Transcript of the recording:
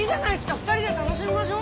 ２人で楽しみましょう。